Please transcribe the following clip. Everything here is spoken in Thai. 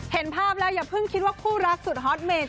เห็นภาพแล้วอย่าเพิ่งคิดว่าคู่รักสุดฮอตเมย์